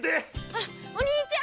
あっお兄ちゃん！